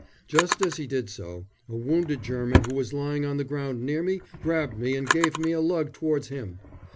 Just as he did so, a wounded German who was lying on the ground near me grabbed me and gave me a lug towards him.